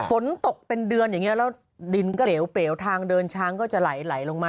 ฝนตกเป็นเดือนอย่างนี้แล้วดินก็เหลวเปลวทางเดินช้างก็จะไหลลงมา